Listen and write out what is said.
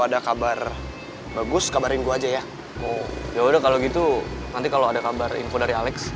ada kabar bagus kabarin gue aja ya udah kalau gitu nanti kalau ada kabar info dari alex